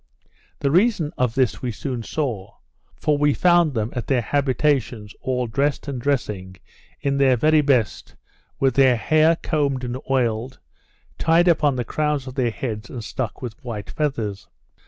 The reason of this we soon saw; for we found them at their habitations, all dressed and dressing, in their very best, with their hair combed and oiled, tied up upon the crowns of their heads, and stuck with white feathers.